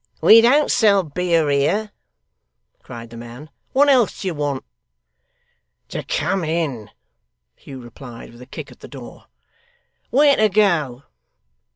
'We don't sell beer here,' cried the man; 'what else do you want?' 'To come in,' Hugh replied, with a kick at the door. 'Where to go?